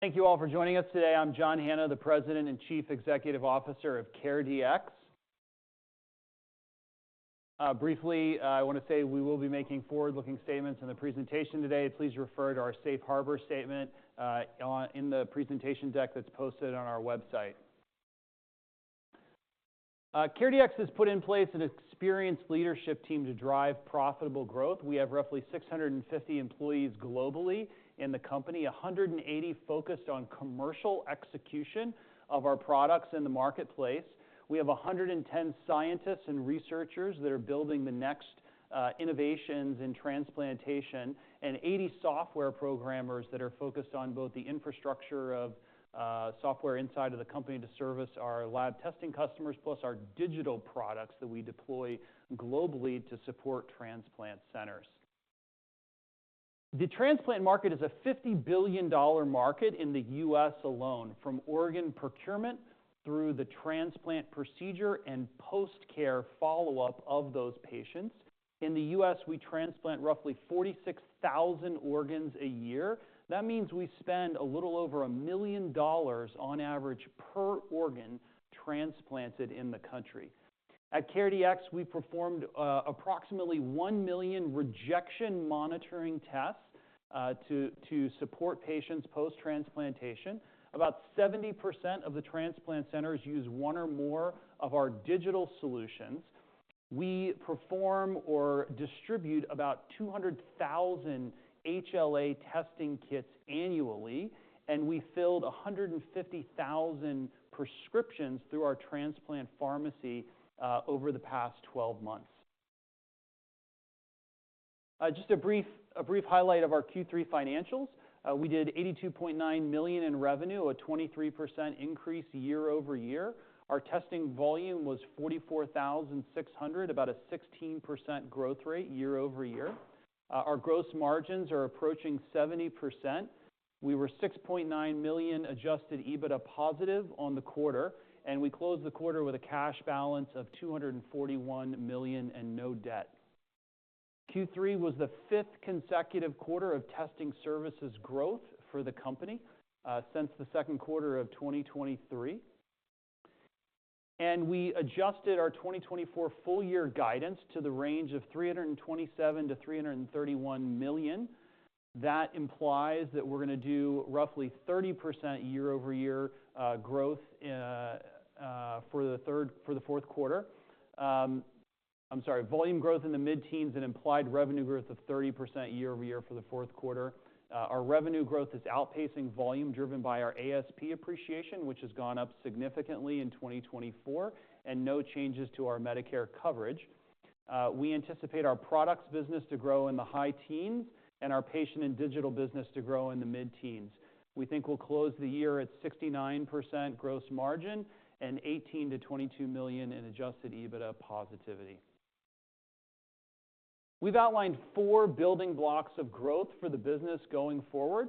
Thank you all for joining us today. I'm John Hanna, the President and Chief Executive Officer of CareDx. Briefly, I want to say we will be making forward-looking statements in the presentation today. Please refer to our Safe Harbor statement in the presentation deck that's posted on our website. CareDx has put in place an experienced leadership team to drive profitable growth. We have roughly 650 employees globally in the company, 180 focused on commercial execution of our products in the marketplace. We have 110 scientists and researchers that are building the next innovations in transplantation, and 80 software programmers that are focused on both the infrastructure of software inside of the company to service our lab testing customers, plus our digital products that we deploy globally to support transplant centers. The transplant market is a $50 billion market in the U.S. alone, from organ procurement through the transplant procedure and post-care follow-up of those patients. In the U.S., we transplant roughly 46,000 organs a year. That means we spend a little over $1 million on average per organ transplanted in the country. At CareDx, we performed approximately one million rejection monitoring tests to support patients post-transplantation. About 70% of the transplant centers use one or more of our digital solutions. We perform or distribute about 200,000 HLA testing kits annually, and we filled 150,000 prescriptions through our transplant pharmacy over the past 12 months. Just a brief highlight of our Q3 financials: we did $82.9 million in revenue, a 23% increase year-over-year. Our testing volume was 44,600, about a 16% growth rate year-over-year. Our gross margins are approaching 70%. We were $6.9 million adjusted EBITDA positive on the quarter, and we closed the quarter with a cash balance of $241 million and no debt. Q3 was the fifth consecutive quarter of testing services growth for the company since the second quarter of 2023, and we adjusted our 2024 full year guidance to the range of $327 million-$331 million. That implies that we're going to do roughly 30% year-over-year growth for the fourth quarter. I'm sorry, volume growth in the mid-teens and implied revenue growth of 30% year-over-year for the fourth quarter. Our revenue growth is outpacing volume driven by our ASP appreciation, which has gone up significantly in 2024, and no changes to our Medicare coverage. We anticipate our products business to grow in the high teens and our patient and digital business to grow in the mid-teens. We think we'll close the year at 69% gross margin and $18 million-$22 million in adjusted EBITDA positivity. We've outlined four building blocks of growth for the business going forward,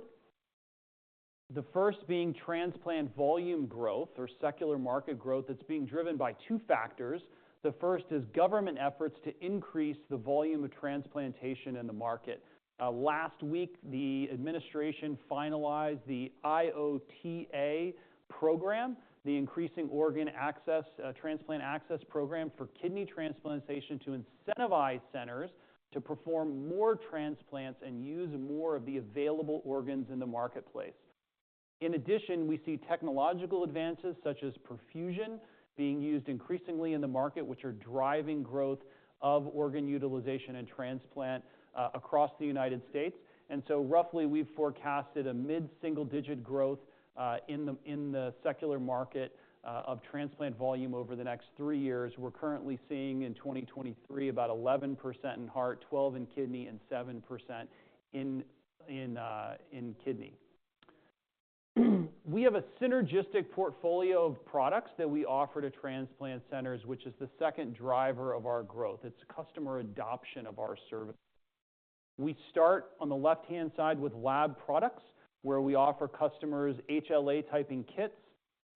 the first being transplant volume growth or secular market growth that's being driven by two factors. The first is government efforts to increase the volume of transplantation in the market. Last week, the administration finalized the IOTA program, the Increasing Organ Transplant Access program for kidney transplantation, to incentivize centers to perform more transplants and use more of the available organs in the marketplace. In addition, we see technological advances such as perfusion being used increasingly in the market, which are driving growth of organ utilization and transplant across the United States, and so roughly, we've forecasted a mid-single-digit growth in the secular market of transplant volume over the next three years. We're currently seeing in 2023 about 11% in heart, 12% in kidney, and 7% in kidney. We have a synergistic portfolio of products that we offer to transplant centers, which is the second driver of our growth. It's customer adoption of our service. We start on the left-hand side with lab products, where we offer customers HLA typing kits,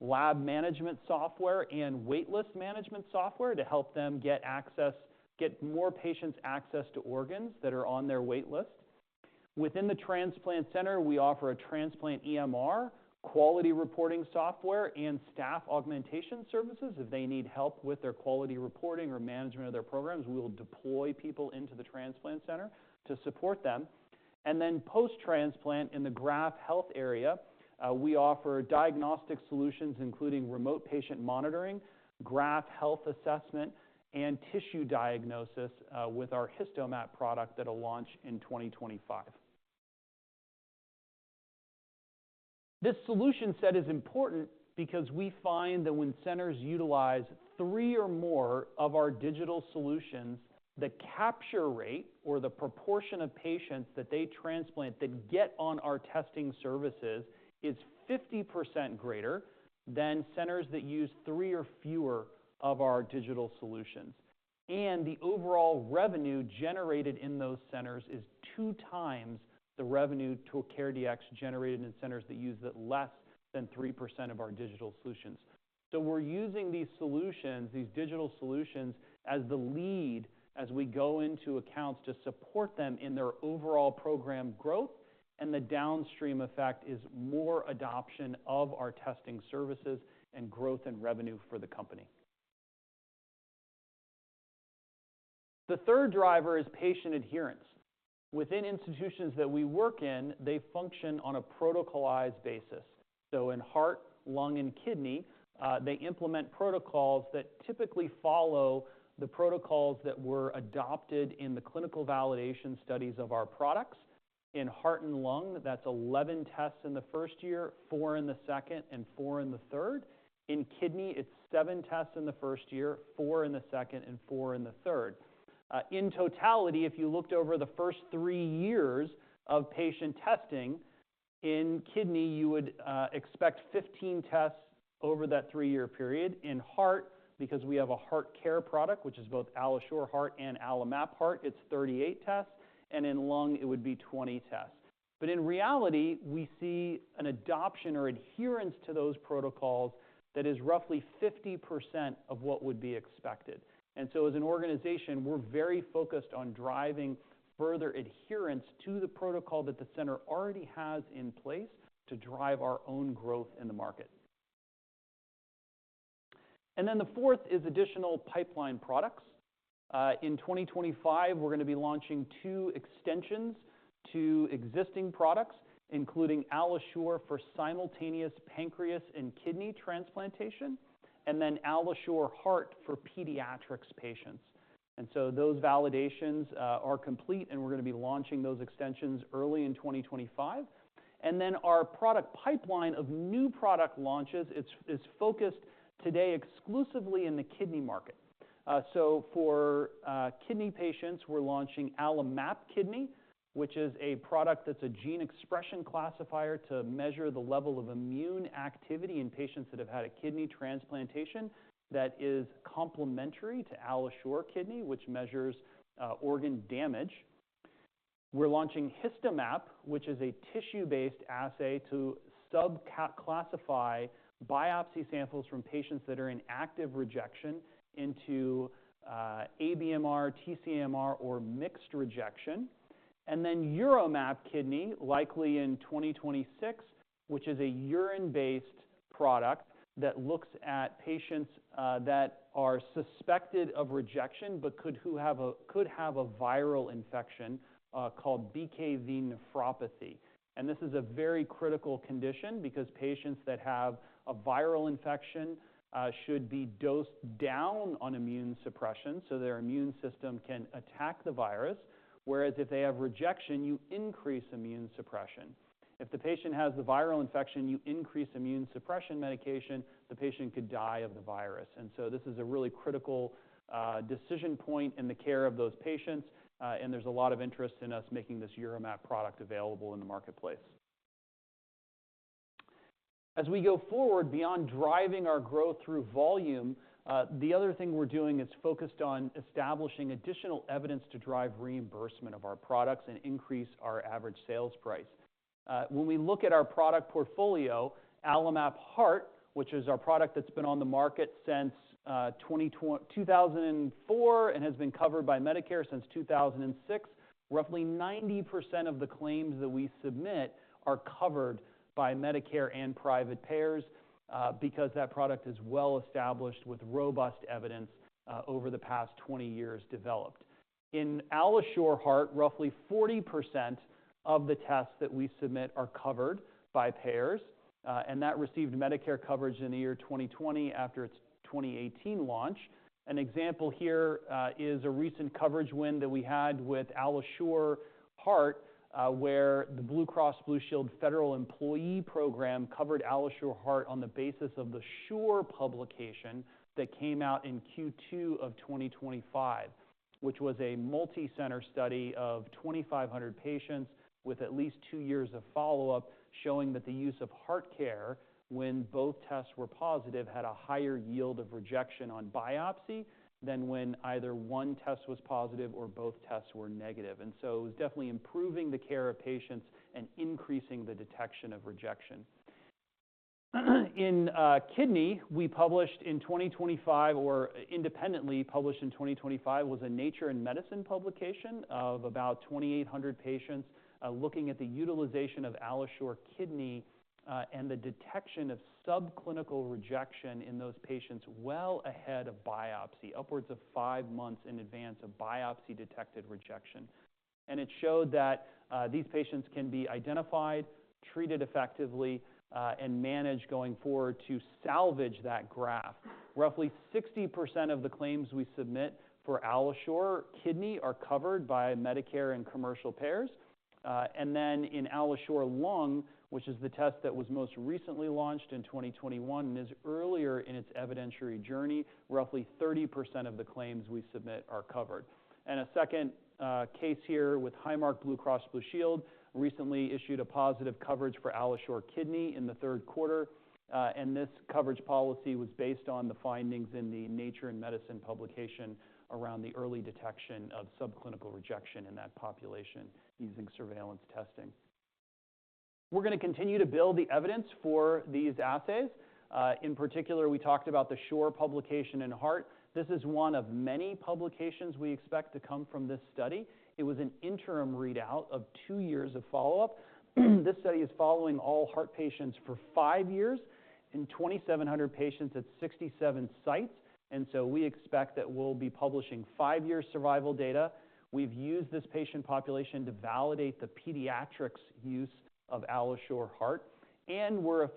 lab management software, and waitlist management software to help them get more patients access to organs that are on their waitlist. Within the transplant center, we offer a transplant EMR, quality reporting software, and staff augmentation services. If they need help with their quality reporting or management of their programs, we will deploy people into the transplant center to support them. And then post-transplant in the graft health area, we offer diagnostic solutions, including remote patient monitoring, graft health assessment, and tissue diagnosis with our HistoMap product that will launch in 2025. This solution set is important because we find that when centers utilize three or more of our digital solutions, the capture rate or the proportion of patients that they transplant that get on our testing services is 50% greater than centers that use three or fewer of our digital solutions. And the overall revenue generated in those centers is two times the revenue to CareDx generated in centers that use less than 3% of our digital solutions. So we're using these solutions, these digital solutions, as the lead as we go into accounts to support them in their overall program growth. And the downstream effect is more adoption of our testing services and growth and revenue for the company. The third driver is patient adherence. Within institutions that we work in, they function on a protocolized basis. In heart, lung, and kidney, they implement protocols that typically follow the protocols that were adopted in the clinical validation studies of our products. In heart and lung, that's 11 tests in the first year, four in the second, and four in the third. In kidney, it's seven tests in the first year, four in the second, and four in the third. In totality, if you looked over the first three years of patient testing, in kidney, you would expect 15 tests over that three-year period. In heart, because we have a HeartCare product, which is both AlloSure Heart and AlloMap Heart, it's 38 tests. In lung, it would be 20 tests. But in reality, we see an adoption or adherence to those protocols that is roughly 50% of what would be expected. And so as an organization, we're very focused on driving further adherence to the protocol that the center already has in place to drive our own growth in the market. And then the fourth is additional pipeline products. In 2025, we're going to be launching two extensions to existing products, including AlloSure for simultaneous pancreas and kidney transplantation, and then AlloSure Heart for pediatric patients. And so those validations are complete, and we're going to be launching those extensions early in 2025. And then our product pipeline of new product launches is focused today exclusively in the kidney market. So for kidney patients, we're launching AlloMap Kidney, which is a product that's a gene expression classifier to measure the level of immune activity in patients that have had a kidney transplantation that is complementary to AlloSure Kidney, which measures organ damage. We're launching HistoMap, which is a tissue-based assay to subclassify biopsy samples from patients that are in active rejection into ABMR, TCMR, or mixed rejection. And then UroMap Kidney, likely in 2026, which is a urine-based product that looks at patients that are suspected of rejection but could have a viral infection called BKV nephropathy. And this is a very critical condition because patients that have a viral infection should be dosed down on immune suppression so their immune system can attack the virus, whereas if they have rejection, you increase immune suppression. If the patient has the viral infection, you increase immune suppression medication; the patient could die of the virus, and so this is a really critical decision point in the care of those patients, and there's a lot of interest in us making this UroMap product available in the marketplace. As we go forward, beyond driving our growth through volume, the other thing we're doing is focused on establishing additional evidence to drive reimbursement of our products and increase our average sales price. When we look at our product portfolio, AlloMap Heart, which is our product that's been on the market since 2004 and has been covered by Medicare since 2006, roughly 90% of the claims that we submit are covered by Medicare and private payers because that product is well established with robust evidence over the past 20 years developed. In AlloSure Heart, roughly 40% of the tests that we submit are covered by payers, and that received Medicare coverage in the year 2020 after its 2018 launch. An example here is a recent coverage win that we had with AlloSure Heart, where the Blue Cross Blue Shield Federal Employee Program covered AlloSure Heart on the basis of the SHORE publication that came out in Q2 of 2025, which was a multicenter study of 2,500 patients with at least two years of follow-up, showing that the use of HeartCare when both tests were positive had a higher yield of rejection on biopsy than when either one test was positive or both tests were negative, and so it was definitely improving the care of patients and increasing the detection of rejection. In kidney, we published in 2025, or independently published in 2025, was a Nature Medicine publication of about 2,800 patients looking at the utilization of AlloSure Kidney and the detection of subclinical rejection in those patients well ahead of biopsy, upwards of five months in advance of biopsy-detected rejection, and it showed that these patients can be identified, treated effectively, and managed going forward to salvage that graft. Roughly 60% of the claims we submit for AlloSure Kidney are covered by Medicare and commercial payers, and then in AlloSure Lung, which is the test that was most recently launched in 2021 and is earlier in its evidentiary journey, roughly 30% of the claims we submit are covered, and a second case here with Highmark Blue Cross Blue Shield recently issued a positive coverage for AlloSure Kidney in the third quarter. This coverage policy was based on the findings in the Nature Medicine publication around the early detection of subclinical rejection in that population using surveillance testing. We're going to continue to build the evidence for these assays. In particular, we talked about the SHORE publication in Heart. This is one of many publications we expect to come from this study. It was an interim readout of two years of follow-up. This study is following all heart patients for five years in 2,700 patients at 67 sites, and so we expect that we'll be publishing five-year survival data. We've used this patient population to validate the pediatric use of AlloSure Heart, and we're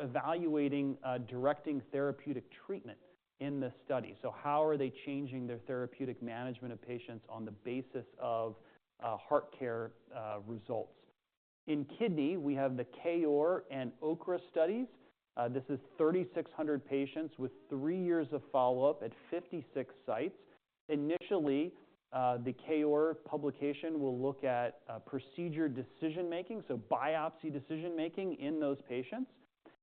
evaluating directing therapeutic treatment in this study, so how are they changing their therapeutic management of patients on the basis of HeartCare results? In kidney, we have the KOAR and OKRA studies. This is 3,600 patients with three years of follow-up at 56 sites. Initially, the KOAR publication will look at procedure decision-making, so biopsy decision-making in those patients,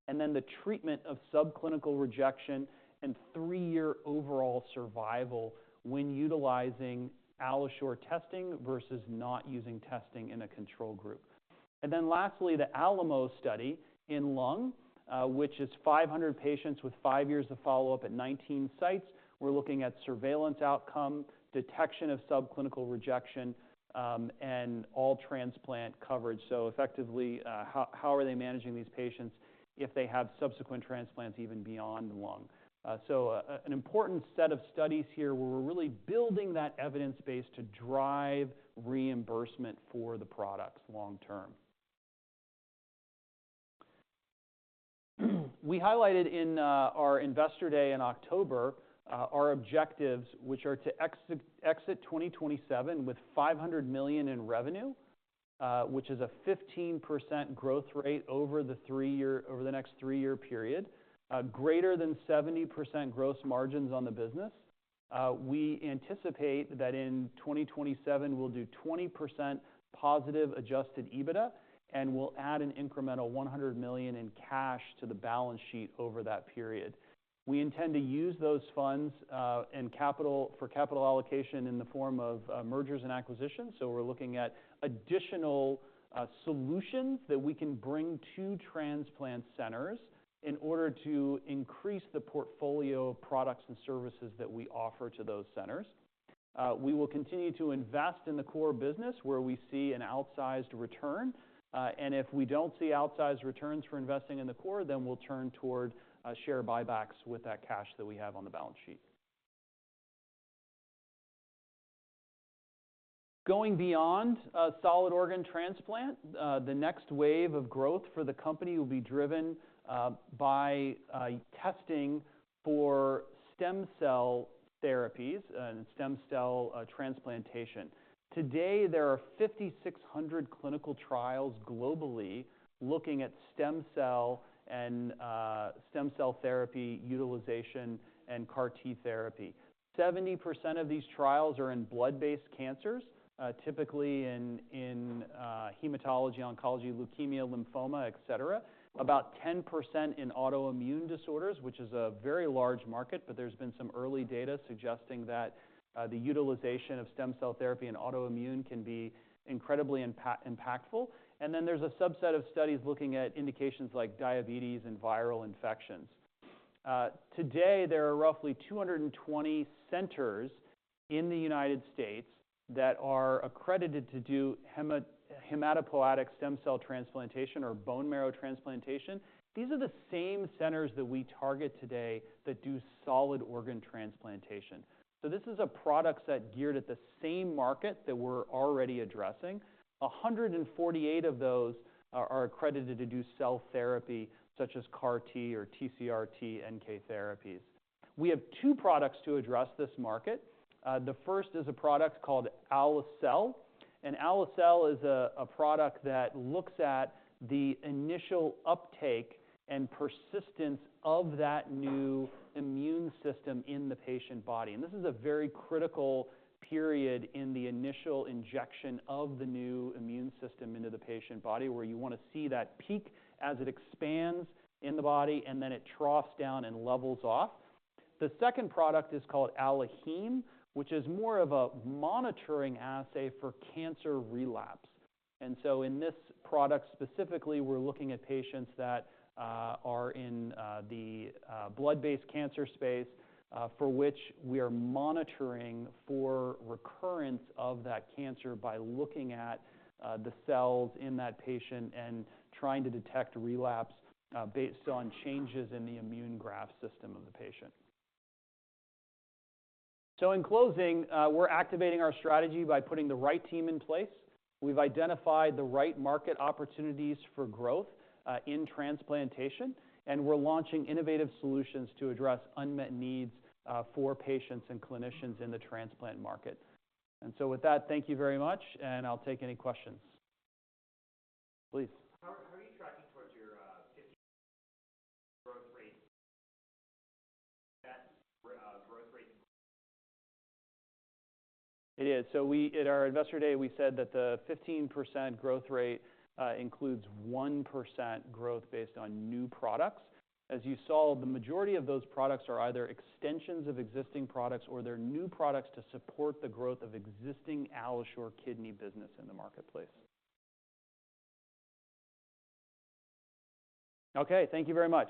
and then the treatment of subclinical rejection and three-year overall survival when utilizing AlloSure testing versus not using testing in a control group. And then lastly, the ALAMO study in lung, which is 500 patients with five years of follow-up at 19 sites. We're looking at surveillance outcome, detection of subclinical rejection, and all transplant coverage. So effectively, how are they managing these patients if they have subsequent transplants even beyond lung? So an important set of studies here where we're really building that evidence base to drive reimbursement for the products long-term. We highlighted in our investor day in October our objectives, which are to exit 2027 with $500 million in revenue, which is a 15% growth rate over the next three-year period, greater than 70% gross margins on the business. We anticipate that in 2027, we'll do 20% positive adjusted EBITDA, and we'll add an incremental $100 million in cash to the balance sheet over that period. We intend to use those funds for capital allocation in the form of mergers and acquisitions. So we're looking at additional solutions that we can bring to transplant centers in order to increase the portfolio of products and services that we offer to those centers. We will continue to invest in the core business where we see an outsized return. And if we don't see outsized returns for investing in the core, then we'll turn toward share buybacks with that cash that we have on the balance sheet. Going beyond solid organ transplant, the next wave of growth for the company will be driven by testing for stem cell therapies and stem cell transplantation. Today, there are 5,600 clinical trials globally looking at stem cell and stem cell therapy utilization and CAR-T therapy. 70% of these trials are in blood-based cancers, typically in hematology, oncology, leukemia, lymphoma, etc. About 10% in autoimmune disorders, which is a very large market, but there's been some early data suggesting that the utilization of stem cell therapy and autoimmune can be incredibly impactful. And then there's a subset of studies looking at indications like diabetes and viral infections. Today, there are roughly 220 centers in the United States that are accredited to do hematopoietic stem cell transplantation or bone marrow transplantation. These are the same centers that we target today that do solid organ transplantation, so this is a product set geared at the same market that we're already addressing. 148 of those are accredited to do cell therapy such as CAR-T or TCR-T, NK therapies. We have two products to address this market. The first is a product called AlloCell, and AlloCell is a product that looks at the initial uptake and persistence of that new immune system in the patient body, and this is a very critical period in the initial injection of the new immune system into the patient body where you want to see that peak as it expands in the body, and then it troughs down and levels off. The second product is called AlloHeme, which is more of a monitoring assay for cancer relapse. And so in this product specifically, we're looking at patients that are in the blood-based cancer space for which we are monitoring for recurrence of that cancer by looking at the cells in that patient and trying to detect relapse based on changes in the immune graft system of the patient. So in closing, we're activating our strategy by putting the right team in place. We've identified the right market opportunities for growth in transplantation, and we're launching innovative solutions to address unmet needs for patients and clinicians in the transplant market. And so with that, thank you very much, and I'll take any questions. Please. How are you tracking towards your 15% growth rate? It is. So at our investor day, we said that the 15% growth rate includes 1% growth based on new products. As you saw, the majority of those products are either extensions of existing products or they're new products to support the growth of existing AlloSure Kidney business in the marketplace. Okay. Thank you very much.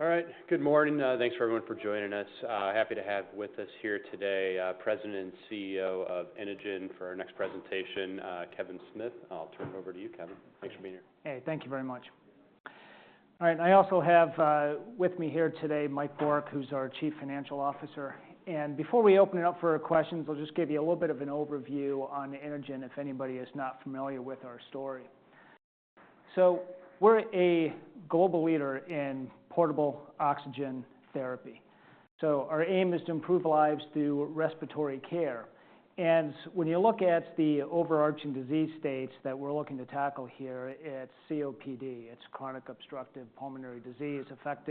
All right. Good morning. Thanks for everyone for joining us. Happy to have with us here today President and CEO of Inogen for our next presentation, Kevin Smith. I'll turn it over to you, Kevin. Thanks for being here. Hey, thank you very much. All right. I also have with me here today Mike Bourque, who's our Chief Financial Officer. And before we open it up for questions, I'll just give you a little bit of an overview on Inogen if anybody is not familiar with our story. We're a global leader in portable oxygen therapy. Our aim is to improve lives through respiratory care. When you look at the overarching disease states that we're looking to tackle here, it's COPD. It's chronic obstructive pulmonary disease affected.